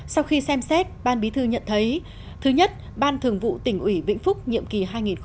sau khi xem xét ban bí thư nhận thấy thứ nhất ban thường vụ tỉnh ủy vĩnh phúc nhiệm kỳ hai nghìn hai mươi hai nghìn hai mươi năm